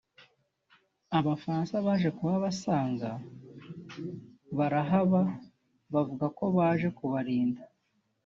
Abafaransa baje kuhabasanga barahaba bavuga ko baje kubarinda